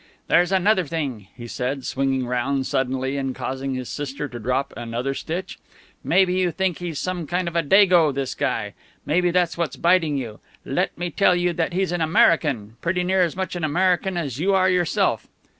"There's another thing," he said, swinging round suddenly and causing his sister to drop another stitch. "Maybe you think he's some kind of a Dago, this guy? Maybe that's what's biting you. Let me tell you that he's an American pretty near as much an American as you are yourself."